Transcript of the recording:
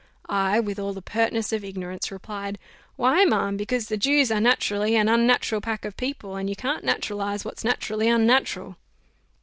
I, with all the pertness of ignorance, replied, "Why, ma'am, because the Jews are naturally an unnatural pack of people, and you can't naturalize what's naturally unnatural."